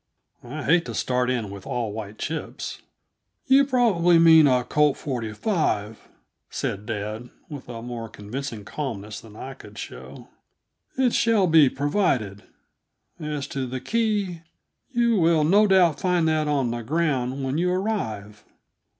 I hate to start in with all white chips." "You probably mean a Colt's .45," said dad, with a more convincing calmness than I could show. "It shall be provided. As to the key, you will no doubt find that on the ground when you arrive."